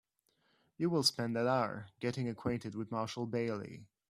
You will spend that hour getting acquainted with Marshall Bailey.